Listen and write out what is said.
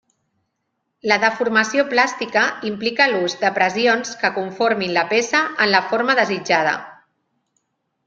La deformació plàstica implica l'ús de pressions que conformin la peça en la forma desitjada.